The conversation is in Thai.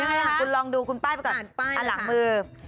ยังไงล่ะคุณลองดูคุณป้ายไปก่อนอ่านหลังมือ